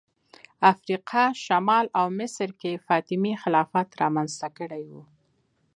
افریقا شمال او مصر کې فاطمي خلافت رامنځته کړی و